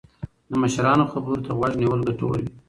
د مشرانو خبرو ته غوږ نیول ګټور وي.